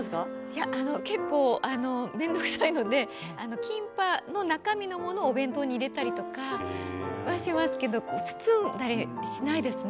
結構、面倒くさいのでキンパの中身のものをお弁当に入れたりとかしますが包んだりしないですね。